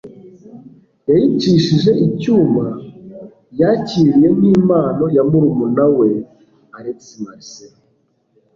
yayicishije icyuma yakiriye nk'impano ya murumuna we. (alexmarcelo